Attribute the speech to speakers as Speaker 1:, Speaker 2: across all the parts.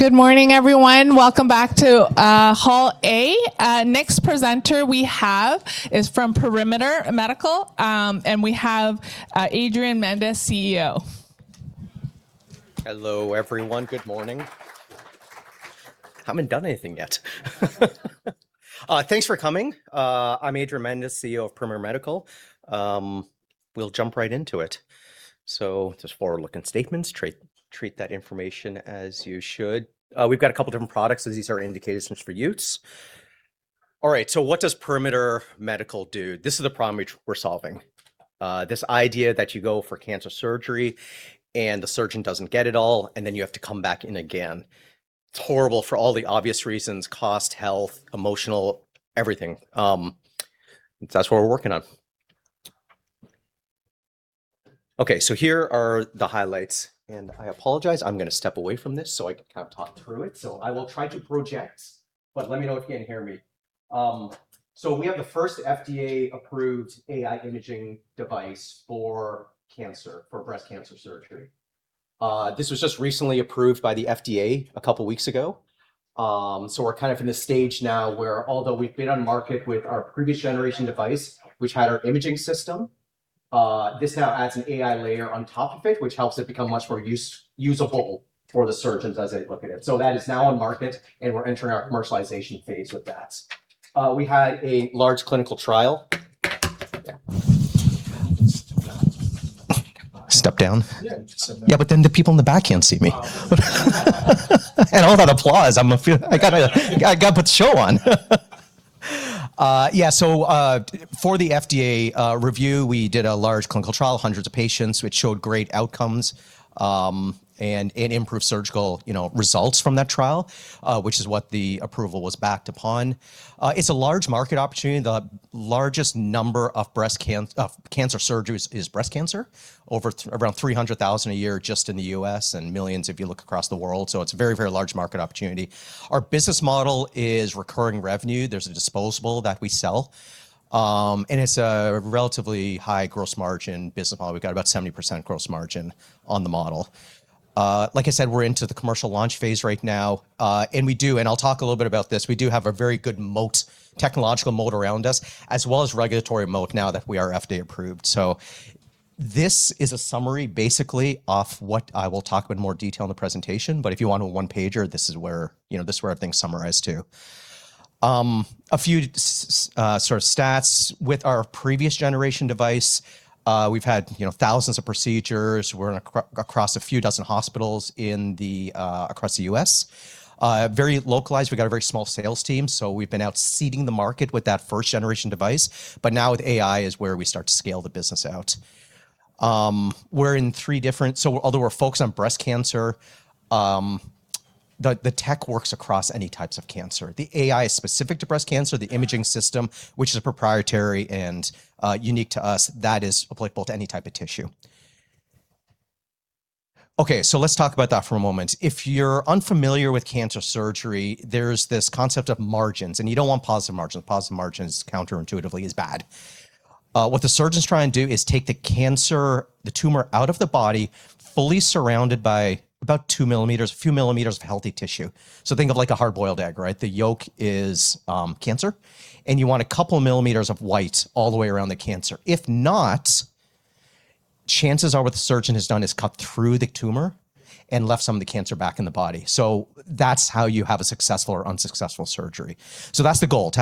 Speaker 1: Good morning, everyone. Welcome back to Hall A. Next presenter we have is from Perimeter Medical, and we have Adrian Mendes, Chief Executive Officer.
Speaker 2: Hello, everyone. Good morning. I haven't done anything yet. Thanks for coming. I'm Adrian Mendes, Chief Executive Officer of Perimeter Medical. We'll jump right into it. Just forward-looking statements, treat that information as you should. We've got a couple different products, as these are indications for use. All right. What does Perimeter Medical do? This is the problem we're solving. This idea that you go for cancer surgery, and the surgeon doesn't get it all, and then you have to come back in again. It's horrible for all the obvious reasons, cost, health, emotional, everything. That's what we're working on. Okay, so here are the highlights, and I apologize, I'm going to step away from this so I can kind of talk through it. I will try to project, but let me know if you can't hear me. We have the first FDA-approved AI imaging device for cancer, for breast cancer surgery. This was just recently approved by the FDA a couple weeks ago. We're kind of in the stage now where, although we've been on market with our previous generation device, which had our imaging system, this now adds an AI layer on top of it, which helps it become much more usable for the surgeons as they look at it. That is now on market, and we're entering our commercialization phase with that. We had a large clinical trial. Step down?
Speaker 1: Yeah, just step down.
Speaker 2: Yeah, the people in the back can't see me.
Speaker 1: Oh.
Speaker 2: All that applause, I'm afraid, I got to put a show on. Yeah, for the FDA review, we did a large clinical trial, hundreds of patients, which showed great outcomes, and it improved surgical results from that trial, which is what the approval was backed upon. It's a large market opportunity. The largest number of cancer surgeries is breast cancer, around 300,000 a year just in the U.S., and millions if you look across the world. It's a very, very large market opportunity. Our business model is recurring revenue. There's a disposable that we sell. It's a relatively high gross margin business model. We've got about 70% gross margin on the model. Like I said, we're into the commercial launch phase right now. We do, and I'll talk a little bit about this, we do have a very good technological moat around us, as well as regulatory moat now that we are FDA approved. This is a summary basically of what I will talk about in more detail in the presentation. If you want a one-pager, this is where everything's summarized too. A few sort of stats. With our previous generation device, we've had thousands of procedures. We're across a few dozen hospitals across the U.S. Very localized. We've got a very small sales team, so we've been out seeding the market with that first generation device. Now with AI is where we start to scale the business out. Although we're focused on breast cancer, the tech works across any types of cancer. The AI is specific to breast cancer. The imaging system, which is proprietary and unique to us, that is applicable to any type of tissue. Okay, let's talk about that for a moment. If you're unfamiliar with cancer surgery, there's this concept of margins, and you don't want positive margins. Positive margins, counterintuitively, is bad. What the surgeons try and do is take the cancer, the tumor, out of the body, fully surrounded by about two millimeters, a few millimeters of healthy tissue. Think of like a hard-boiled egg, right? The yolk is cancer, and you want a couple millimeters of white all the way around the cancer. If not, chances are what the surgeon has done is cut through the tumor and left some of the cancer back in the body. That's how you have a successful or unsuccessful surgery. That's the goal, to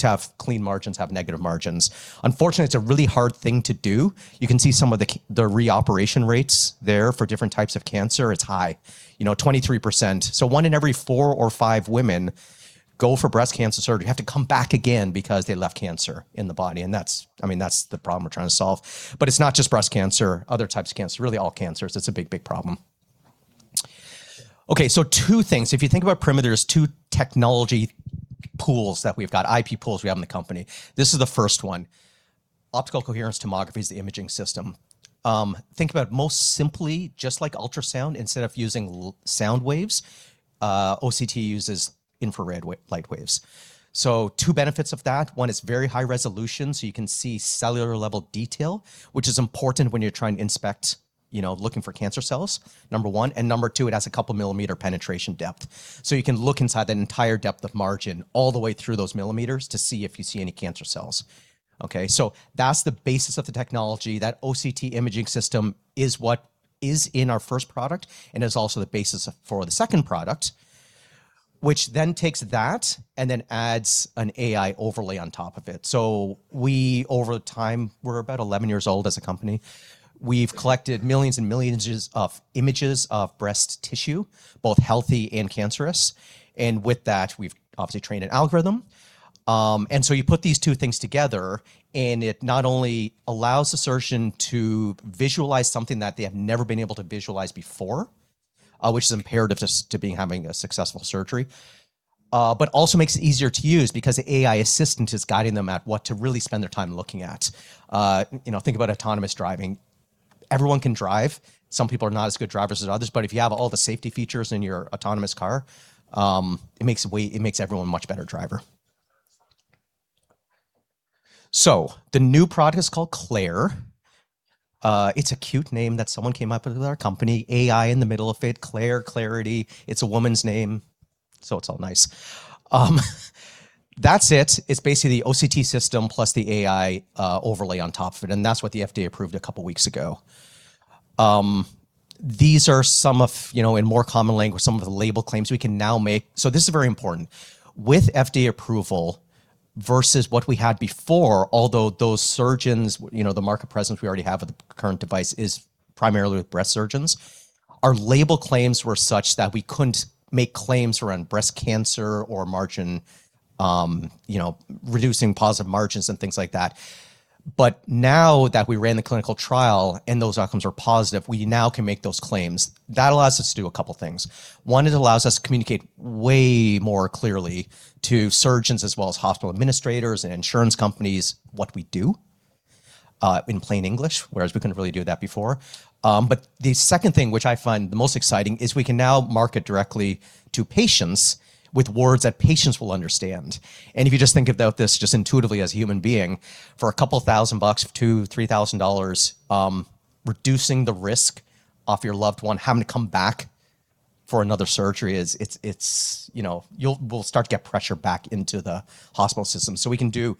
Speaker 2: have clean margins, to have negative margins. Unfortunately, it's a really hard thing to do. You can see some of the reoperation rates there for different types of cancer. It's high, 23%. One woman in every four women or five women go for breast cancer surgery have to come back again because they left cancer in the body, and that's the problem we're trying to solve. It's not just breast cancer. Other types of cancer. Really, all cancers, it's a big, big problem. Okay, two things. If you think about Perimeter, there's two technology pools that we've got, IP pools we have in the company. This is the first one. Optical Coherence Tomography is the imaging system. Think about most simply just like ultrasound. Instead of using sound waves, OCT uses infrared light waves. Two benefits of that. One, it's very high resolution, so you can see cellular-level detail, which is important when you're looking for cancer cells, number one. Number two, it has a couple millimeter penetration depth. You can look inside that entire depth of margin all the way through those millimeters to see if you see any cancer cells. Okay? That's the basis of the technology. That OCT imaging system is what is in our first product and is also the basis for the second product, which then takes that and then adds an AI overlay on top of it. We, over time, we're about 11 years old as a company. We've collected millions and millions of images of breast tissue, both healthy and cancerous. With that, we've obviously trained an algorithm. You put these two things together, and it not only allows the surgeon to visualize something that they have never been able to visualize before, which is imperative to having a successful surgery, but also makes it easier to use because the AI assistant is guiding them at what to really spend their time looking at. Think about autonomous driving. Everyone can drive. Some people are not as good drivers as others, but if you have all the safety features in your autonomous car, it makes everyone a much better driver. The new product is called Claire. It's a cute name that someone came up with at our company, AI in the middle of it, Claire, clarity. It's a woman's name, so it's all nice. That's it. It's basically the OCT system plus the AI overlay on top of it, and that's what the FDA approved a couple of weeks ago. These are some of, in more common language, some of the label claims we can now make. This is very important. With FDA approval versus what we had before, although those surgeons, the market presence we already have with the current device is primarily with breast surgeons, our label claims were such that we couldn't make claims around breast cancer or margin, reducing positive margins and things like that. Now that we ran the clinical trial and those outcomes were positive, we now can make those claims. That allows us to do a couple of things. One, it allows us to communicate way more clearly to surgeons as well as hospital administrators and insurance companies what we do, in plain English, whereas we couldn't really do that before. The second thing, which I find the most exciting, is we can now market directly to patients with words that patients will understand. If you just think about this just intuitively as a human being, for a couple of thousand bucks, $2,000, $3,000, reducing the risk of your loved one having to come back for another surgery is. We'll start to get pressure back into the hospital system. We can do,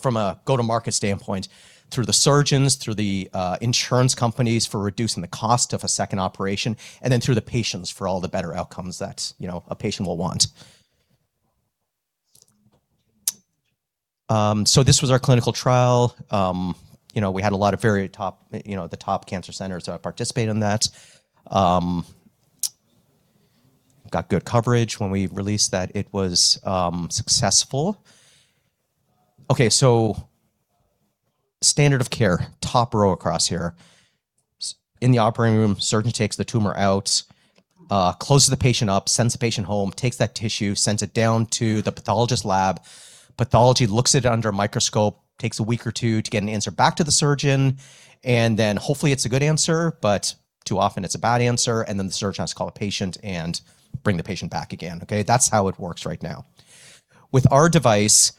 Speaker 2: from a go-to-market standpoint, through the surgeons, through the insurance companies for reducing the cost of a second operation, and then through the patients for all the better outcomes that a patient will want. This was our clinical trial. We had a lot of the top cancer centers participate in that. Got good coverage. When we released that, it was successful. Okay, standard of care, top row across here. In the operating room, surgeon takes the tumor out, closes the patient up, sends the patient home, takes that tissue, sends it down to the pathology lab. Pathology looks at it under a microscope, takes a week or two to get an answer back to the surgeon, and then hopefully it's a good answer, but too often it's a bad answer, and then the surgeon has to call the patient and bring the patient back again. Okay? That's how it works right now. With our device,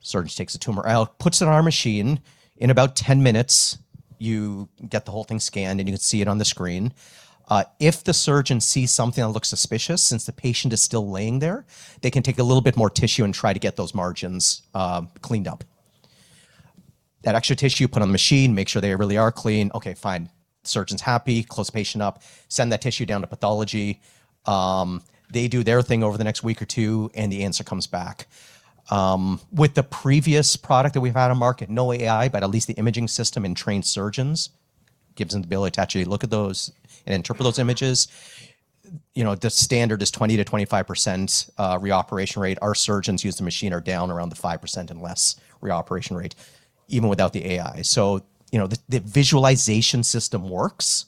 Speaker 2: surgeon takes the tumor out, puts it in our machine. In about 10 minutes, you get the whole thing scanned, and you can see it on the screen. If the surgeon sees something that looks suspicious, since the patient is still laying there, they can take a little bit more tissue and try to get those margins cleaned up. That extra tissue put on the machine, make sure they really are clean. Okay, fine. Surgeon's happy. Close the patient up, send that tissue down to pathology. They do their thing over the next week or two, and the answer comes back. With the previous product that we've had on the market, no AI, but at least the imaging system and trained surgeons, gives them the ability to actually look at those and interpret those images. The standard is 20%-25% reoperation rate. Our surgeons who use the machine are down around the 5% and less reoperation rate, even without the AI. The visualization system works.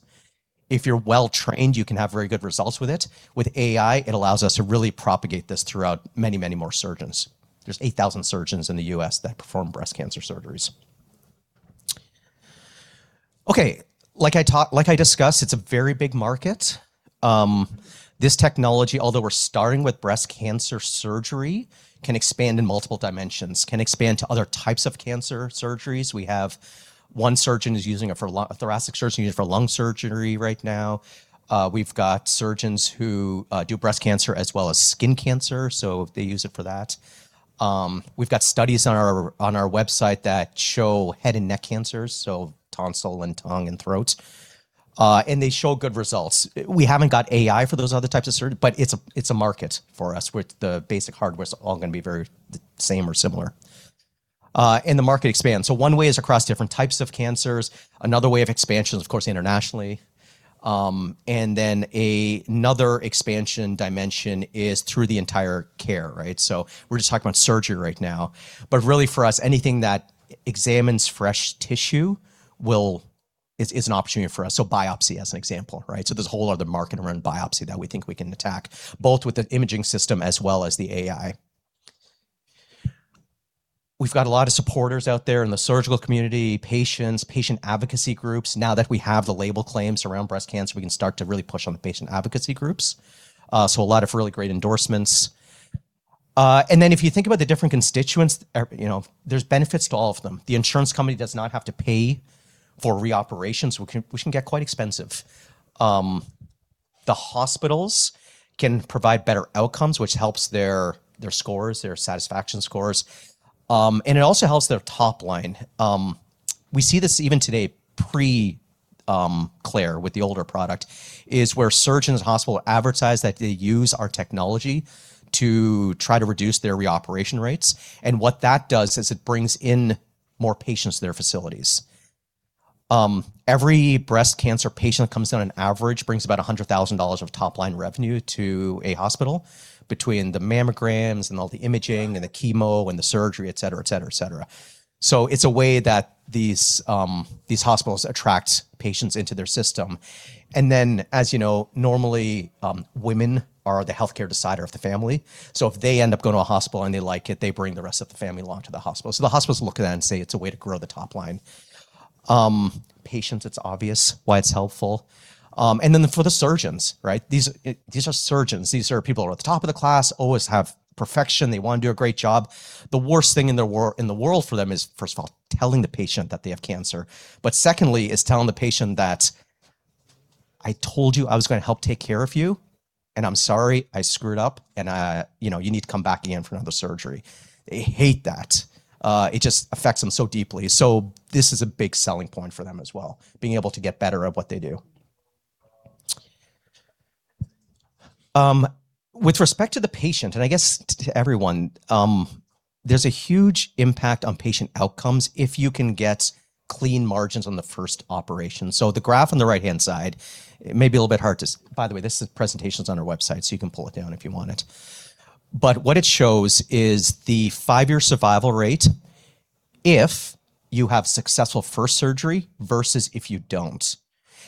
Speaker 2: If you're well-trained, you can have very good results with it. With AI, it allows us to really propagate this throughout many, many more surgeons. There's 8,000 surgeons in the U.S. that perform breast cancer surgeries. Okay. Like I discussed, it's a very big market. This technology, although we're starting with breast cancer surgery, can expand in multiple dimensions, can expand to other types of cancer surgeries. We have one surgeon who's using it, a thoracic surgeon who's using it for lung surgery right now. We've got surgeons who do breast cancer as well as skin cancer, so they use it for that. We've got studies on our website that show head and neck cancers, so tonsil and tongue and throat, and they show good results. We haven't got AI for those other types of surgeries, but it's a market for us, with the basic hardware, it's all going to be very the same or similar. The market expands. One way is across different types of cancers. Another way of expansion is, of course, internationally. Another expansion dimension is through the entire care, right? We're just talking about surgery right now, but really for us, anything that examines fresh tissue is an opportunity for us. Biopsy as an example, right? There's a whole other market around biopsy that we think we can attack, both with the imaging system as well as the AI. We've got a lot of supporters out there in the surgical community, patients, patient advocacy groups. Now that we have the label claims around breast cancer, we can start to really push on the patient advocacy groups. A lot of really great endorsements. If you think about the different constituents, there's benefits to all of them. The insurance company does not have to pay for reoperations, which can get quite expensive. The hospitals can provide better outcomes, which helps their scores, their satisfaction scores, and it also helps their top line. We see this even today pre-Claire, with the older product, is where surgeons and hospitals advertise that they use our technology to try to reduce their reoperation rates. What that does is it brings in more patients to their facilities. Every breast cancer patient that comes in on average brings about $100,000 of top-line revenue to a hospital between the mammograms and all the imaging and the chemo and the surgery, et cetera. It's a way that these hospitals attract patients into their system. As you know, normally, women are the healthcare decider of the family. If they end up going to a hospital and they like it, they bring the rest of the family along to the hospital. The hospitals look at that and say it's a way to grow the top line. Patients, it's obvious why it's helpful. Then for the surgeons, these are surgeons. These are people who are at the top of the class, always have perfection. They want to do a great job. The worst thing in the world for them is, first of all, telling the patient that they have cancer. Secondly is telling the patient that, "I told you I was going to help take care of you, and I'm sorry I screwed up, and you need to come back again for another surgery." They hate that. It just affects them so deeply. This is a big selling point for them as well, being able to get better at what they do. With respect to the patient, and I guess to everyone, there's a huge impact on patient outcomes if you can get clean margins on the first operation. The graph on the right-hand side. By the way, this presentation's on our website, so you can pull it down if you want it. What it shows is the five-year survival rate if you have successful first surgery versus if you don't.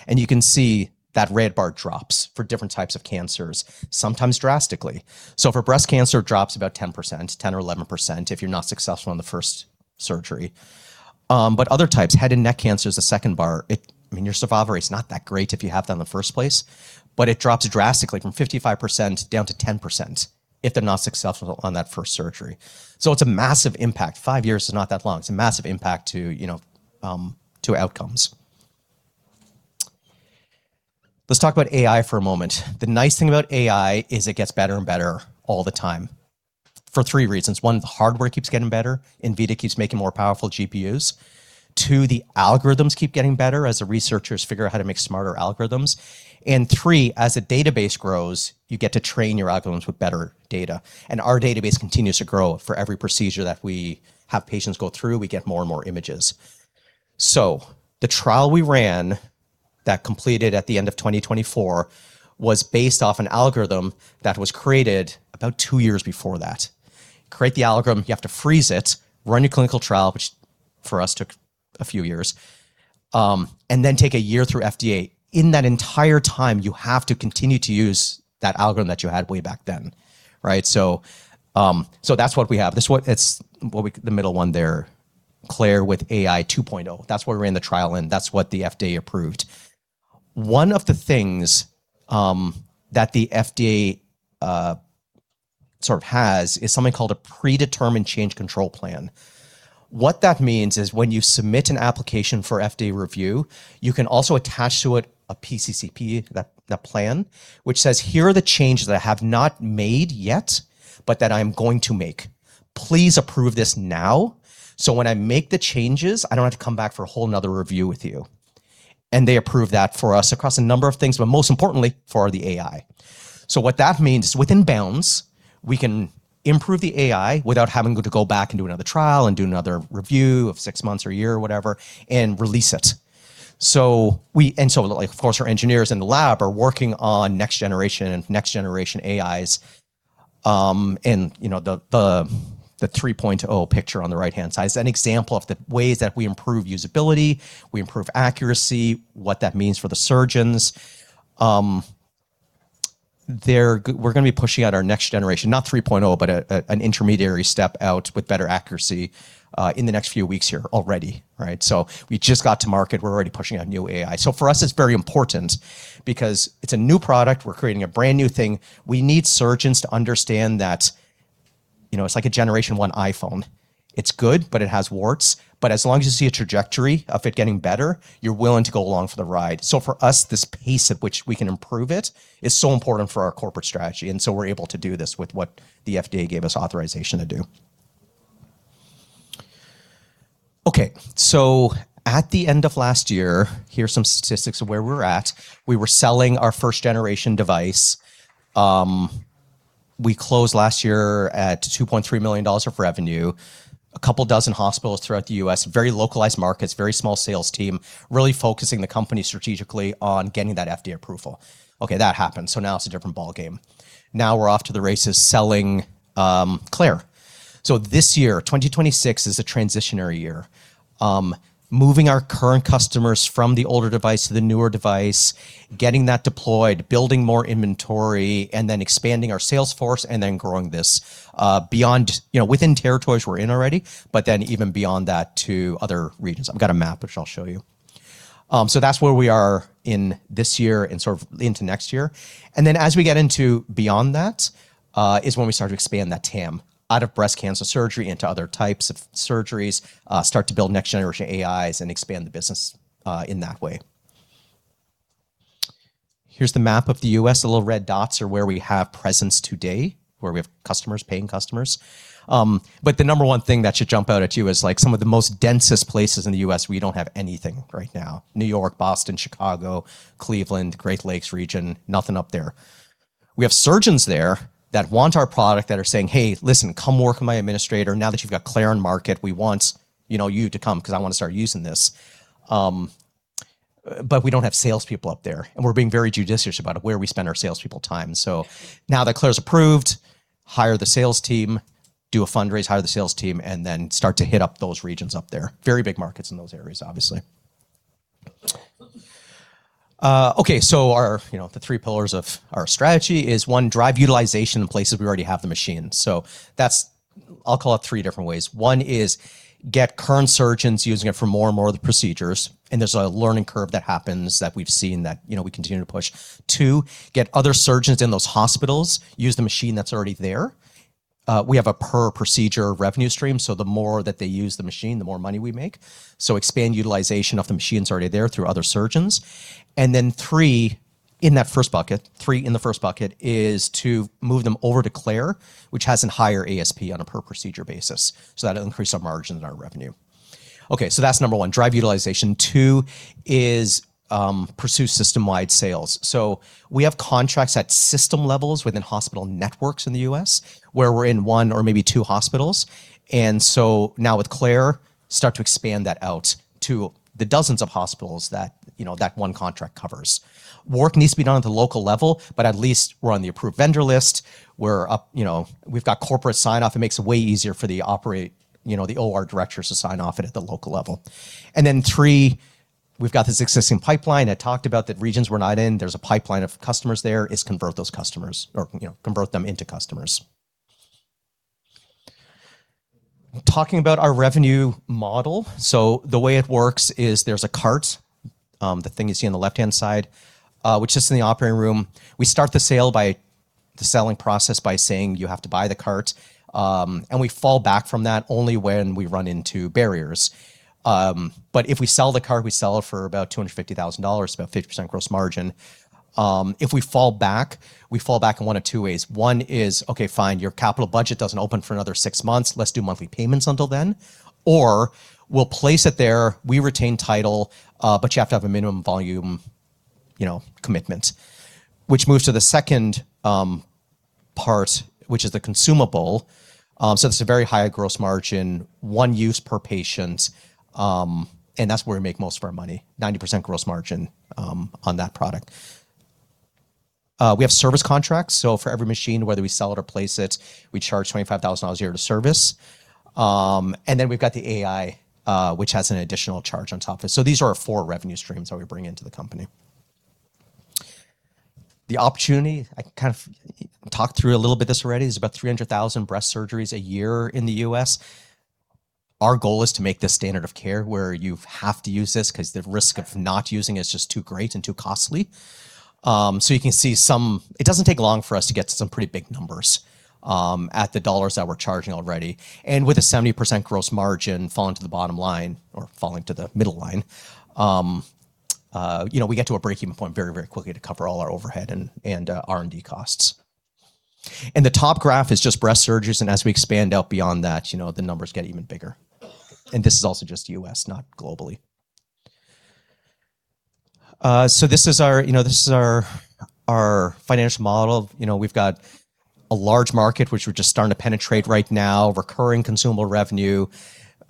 Speaker 2: You can see that red bar drops for different types of cancers, sometimes drastically. For breast cancer, it drops about 10%, 10% or 11%, if you're not successful on the first surgery, but other types, head and neck cancer is the second bar. Your survival rate's not that great if you have that in the first place, but it drops drastically from 55% down to 10% if they're not successful on that first surgery. It's a massive impact. Five years is not that long. It's a massive impact to outcomes. Let's talk about AI for a moment. The nice thing about AI is it gets better and better all the time for three reasons. One, the hardware keeps getting better. Nvidia keeps making more powerful GPUs. Two, the algorithms keep getting better as the researchers figure out how to make smarter algorithms. Three, as the database grows, you get to train your algorithms with better data. Our database continues to grow. For every procedure that we have patients go through, we get more and more images. The trial we ran that completed at the end of 2024 was based off an algorithm that was created about two years before that. Create the algorithm, you have to freeze it, run your clinical trial, which for us took a few years, and then take a year through FDA. In that entire time, you have to continue to use that algorithm that you had way back then. That's what we have. It's the middle one there, Claire with AI 2.0. That's what we ran the trial in. That's what the FDA approved. One of the things that the FDA sort of has is something called a Predetermined Change Control Plan. What that means is when you submit an application for FDA review, you can also attach to it a PCCP, that plan, which says, "Here are the changes that I have not made yet, but that I'm going to make. Please approve this now, so when I make the changes, I don't have to come back for a whole another review with you." They approved that for us across a number of things, but most importantly, for the AI. What that means is within bounds, we can improve the AI without having to go back and do another trial and do another review of six months or a year or whatever and release it. Of course, our engineers in the lab are working on next generation AIs, and the 3.0 picture on the right-hand side is an example of the ways that we improve usability, we improve accuracy, what that means for the surgeons. We're going to be pushing out our next generation, not 3.0 picture, but an intermediary step out with better accuracy, in the next few weeks here already. We just got to market. We're already pushing out new AI. For us, it's very important because it's a new product. We're creating a brand new thing. We need surgeons to understand that it's like a generation one iPhone. It's good, but it has warts. As long as you see a trajectory of it getting better, you're willing to go along for the ride. For us, this pace at which we can improve it is so important for our corporate strategy, and so we're able to do this with what the FDA gave us authorization to do. Okay. At the end of last year, here's some statistics of where we were at. We were selling our first-generation device. We closed last year at $2.3 million of revenue. A couple dozen hospitals throughout the U.S. Very localized markets, very small sales team, really focusing the company strategically on getting that FDA approval. Okay, that happened, now it's a different ballgame. Now we're off to the races selling Claire. This year, 2026, is a transitional year. Moving our current customers from the older device to the newer device, getting that deployed, building more inventory, and then expanding our sales force, and then growing this within territories we're in already, but then even beyond that to other regions. I've got a map, which I'll show you. That's where we are in this year and sort of into next year. As we get into beyond that, is when we start to expand that TAM out of breast cancer surgery into other types of surgeries, start to build next generation AIs, and expand the business in that way. Here's the map of the U.S. The little red dots are where we have presence today, where we have customers, paying customers. The number one thing that should jump out at you is some of the densest places in the U.S., we don't have anything right now. New York, Boston, Chicago, Cleveland, Great Lakes region, nothing up there. We have surgeons there that want our product that are saying, "Hey, listen, come work on my administration. Now that you've got Claire on market, we want you to come because I want to start using this." We don't have salespeople up there, and we're being very judicious about where we spend our salespeople time. Now that Claire's approved, hire the sales team, do a fundraise, hire the sales team, and then start to hit up those regions up there. Very big markets in those areas, obviously. Okay. The three pillars of our strategy is, one, drive utilization in places we already have the machine. That's. I'll call it three different ways. One is get current surgeons using it for more and more of the procedures, and there's a learning curve that happens that we've seen that we continue to push. Two, get other surgeons in those hospitals use the machine that's already there. We have a per procedure revenue stream, so the more that they use the machine, the more money we make, so expand utilization of the machines already there through other surgeons. And then three, in that first bucket, is to move them over to Claire, which has a higher ASP on a per procedure basis. That'll increase our margin and our revenue. Okay, that's number one, drive utilization. Two is pursue system-wide sales. We have contracts at system levels within hospital networks in the U.S. where we're in one or maybe two hospitals. Now with Claire, start to expand that out to the dozens of hospitals that one contract covers. Work needs to be done at the local level, but at least we're on the approved vendor list. We've got corporate sign-off. It makes it way easier for the OR directors to sign off on it at the local level. Then three, we've got this existing pipeline. I talked about that regions we're not in, there's a pipeline of customers there, is convert those customers or convert them into customers. Talking about our revenue model, the way it works is there's a cart, the thing you see on the left-hand side, which sits in the operating room. We start the selling process by saying you have to buy the cart, and we fall back from that only when we run into barriers. If we sell the cart, we sell it for about $250,000, about 50% gross margin. If we fall back, we fall back in one of two ways. One is, "Okay, fine, your capital budget doesn't open for another six months. Let's do monthly payments until then." Or, "We'll place it there, we retain title, but you have to have a minimum volume commitment." Which moves to the second part, which is the consumable. This is a very high gross margin, one use per patient, and that's where we make most of our money, 90% gross margin on that product. We have service contracts, so for every machine, whether we sell it or place it, we charge $25,000 a year to service. We've got the AI, which has an additional charge on top of it. These are our four revenue streams that we bring into the company. The opportunity, I kind of talked through a little bit this already, is about 300,000 breast surgeries a year in the U.S. Our goal is to make this standard of care where you have to use this because the risk of not using is just too great and too costly. You can see some. It doesn't take long for us to get to some pretty big numbers and the dollars that we're charging already. With a 70% gross margin falling to the bottom line or falling to the middle line, we get to a break-even point very, very quickly to cover all our overhead and R&D costs. The top graph is just breast surgeries, and as we expand out beyond that, the numbers get even bigger. This is also just U.S., not globally. This is our financial model. We've got a large market which we're just starting to penetrate right now, recurring consumable revenue,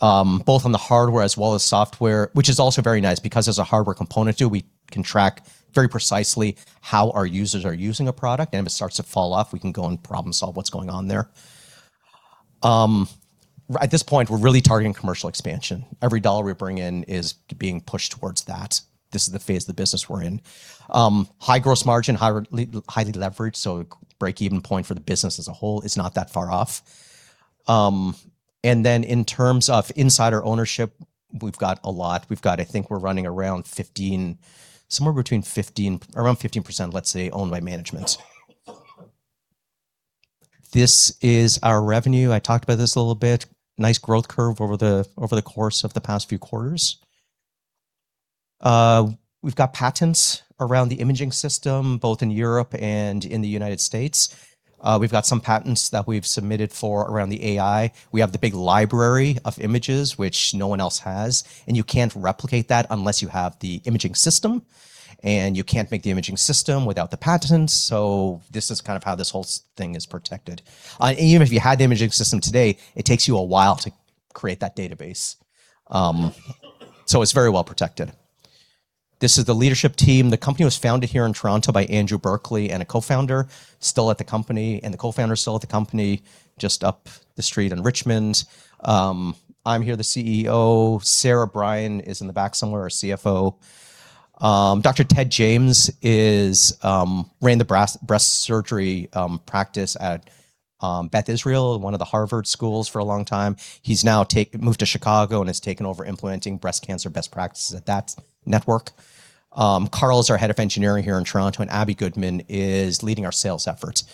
Speaker 2: both on the hardware as well as software, which is also very nice because there's a hardware component, too. We can track very precisely how our users are using a product, and if it starts to fall off, we can go and problem solve what's going on there. At this point, we're really targeting commercial expansion. Every dollar we bring in is being pushed towards that. This is the phase of the business we're in. High gross margin, highly leveraged, so break-even point for the business as a whole is not that far off. In terms of insider ownership, we've got a lot. We've got, I think, around 15%, let's say, owned by management. This is our revenue. I talked about this a little bit. Nice growth curve over the course of the past few quarters. We've got patents around the imaging system, both in Europe and in the United States. We've got some patents that we've submitted for around the AI. We have the big library of images, which no one else has, and you can't replicate that unless you have the imaging system, and you can't make the imaging system without the patents. This is how this whole thing is protected. Even if you had the imaging system today, it takes you a while to create that database. It's very well protected. This is the leadership team. The company was founded here in Toronto by Andrew Berkeley and a Co-Founder still at the company just up the street in Richmond. I'm here, the Chief Executive Officer. Sarah Bryan is in the back somewhere, our Chief Financial Officer. Dr. Ted James ran the breast surgery practice at Beth Israel Deaconess Medical Center, one of the Harvard schools, for a long time. He's now moved to Chicago and has taken over implementing breast cancer best practices at that network. Carl is our head of engineering here in Toronto, and Abbey Goodman is leading our sales efforts.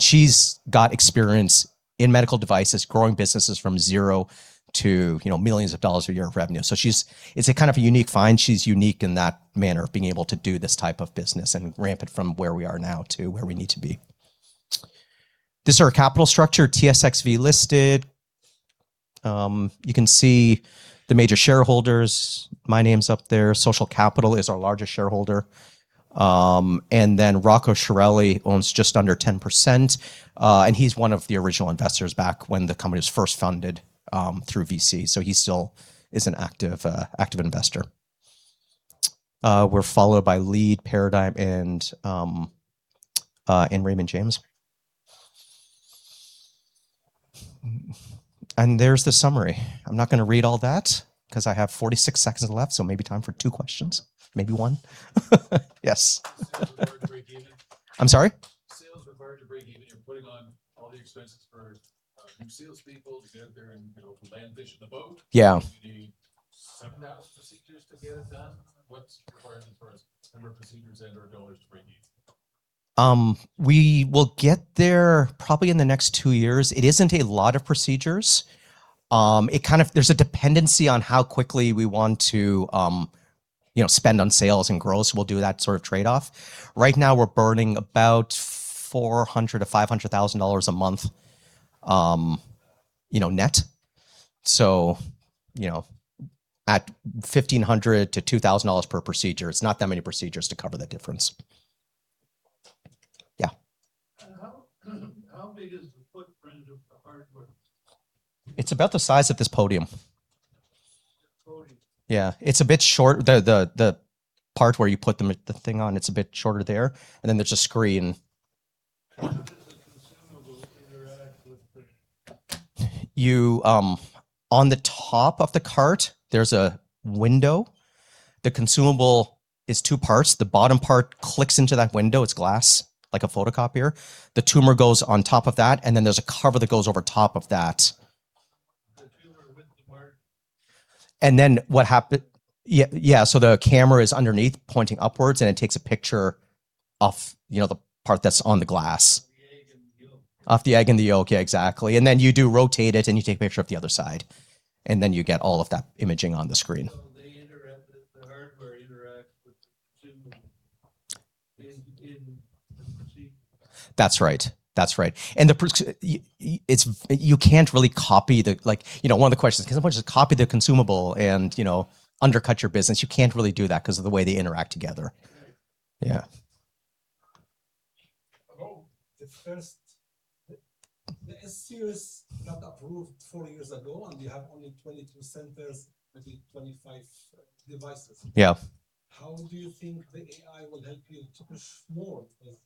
Speaker 2: She's got experience in medical devices, growing businesses from zero dollars to millions of dollars a year of revenue. It's a kind of a unique find. She's unique in that manner of being able to do this type of business and ramp it from where we are now to where we need to be. This is our capital structure, TSXV listed. You can see the major shareholders. My name's up there. Social Capital is our largest shareholder. Rocco Chiarelli owns just under 10%, and he's one of the original investors back when the company was first funded through VC. He still is an active investor. We're followed by Leede Jones Gable, Paradigm Capital, and Raymond James. There's the summary. I'm not going to read all that because I have 46 seconds left, so maybe time for two questions. Maybe one. Yes.
Speaker 3: Sales required to break even.
Speaker 2: I'm sorry?
Speaker 3: Sales required to break even. You're putting on all the expenses for new salespeople to get out there and land fish in the boat.
Speaker 2: Yeah.
Speaker 3: Do you need 7,000 procedures to get it done? What's required in terms of number of procedures and/or dollars to break even?
Speaker 2: We will get there probably in the next two years. It isn't a lot of procedures. There's a dependency on how quickly we want to spend on sales and growth, so we'll do that sort of trade-off. Right now, we're burning about $400,000-$500,000 a month net. At $1,500-$2,000 per procedure, it's not that many procedures to cover the difference. Yeah.
Speaker 3: How big is the footprint of the hardware?
Speaker 2: It's about the size of this podium.
Speaker 3: This podium.
Speaker 2: Yeah. It's a bit short. The part where you put the thing on, it's a bit shorter there, and then there's a screen.
Speaker 3: How does the consumable interact with the?
Speaker 2: On the top of the cart, there's a window. The consumable is two parts. The bottom part clicks into that window. It's glass, like a photocopier. The tumor goes on top of that, and then there's a cover that goes over top of that.
Speaker 3: The tumor with the wire.
Speaker 2: What happens? Yeah, the camera is underneath, pointing upwards, and it takes a picture of the part that's on the glass. Of the egg and the yolk exactly. You do rotate it, and you take a picture of the other side, and then you get all of that imaging on the screen. That's right. You can't really copy. One of the questions, can somebody just copy the consumable and undercut your business? You can't really do that because of the way they interact together.
Speaker 3: Right.
Speaker 2: Yeah.
Speaker 4: The S-Series got approved four years ago, and you have only 22 centers with 25 devices.
Speaker 2: Yeah.
Speaker 4: How do you think the AI will help you to push more? Because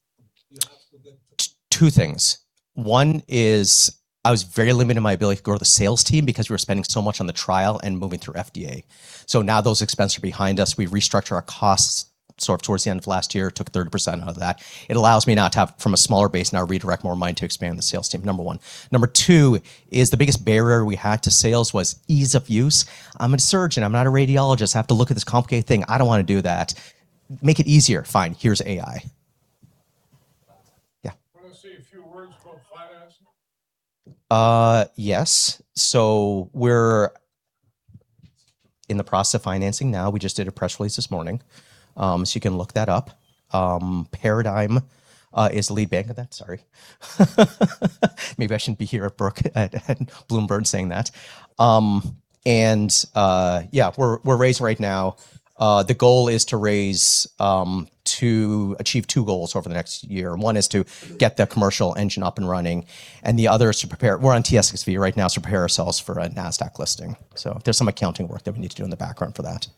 Speaker 4: you have to get
Speaker 2: Two things. One is I was very limited in my ability to grow the sales team because we were spending so much on the trial and moving through FDA. Now those expenses are behind us. We restructured our costs towards the end of last year, took 30% out of that. It allows me now to have, from a smaller base now, redirect more of mine to expand the sales team, number one. Number two is the biggest barrier we had to sales was ease of use. I'm a surgeon. I'm not a radiologist. I have to look at this complicated thing. I don't want to do that. Make it easier. Fine, here's AI. Yeah.
Speaker 4: Can we see a few words about financing?
Speaker 2: Yes. We're in the process of financing now. We just did a press release this morning, so you can look that up. Paradigm is the lead bank of that. Sorry. Maybe I shouldn't be here at Bloom Burton saying that. Yeah, we're raising right now. The goal is to achieve two goals over the next year. One is to get the commercial engine up and running, and the other is, we're on TSXV right now, to prepare ourselves for a NASDAQ listing. There's some accounting work that we need to do in the background for that.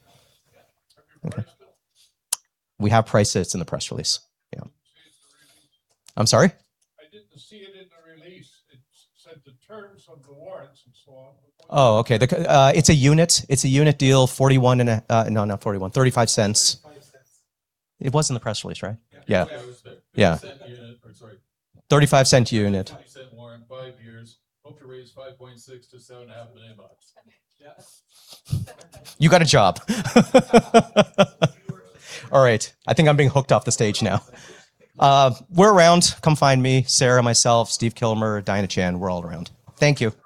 Speaker 4: Yeah. Have you priced it?
Speaker 2: We have prices in the press release. Yeah.
Speaker 4: Change the release.
Speaker 2: I'm sorry.
Speaker 4: I didn't see it in the release. It said the terms of the warrants and so on, but.
Speaker 2: Oh, okay. It's a unit deal, 0.35.
Speaker 4: 0.35.
Speaker 2: It was in the press release, right?
Speaker 4: Yeah.
Speaker 2: Yeah.
Speaker 4: It was there. $0.35 unit.
Speaker 2: CAD 0.35 unit
Speaker 4: CAD 0.20 warrant, five years. Hope to raise 5.6 million-7.5 million.
Speaker 2: You got a job.
Speaker 4: It works.
Speaker 2: All right. I think I'm being hooked off the stage now. We're around. Come find me. Sarah, myself, Stephen Kilmer, Diana Chan. We're all around. Thank you.